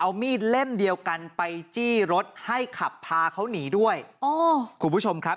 เอามีดเล่มเดียวกันไปจี้รถให้ขับพาเขาหนีด้วยโอ้คุณผู้ชมครับ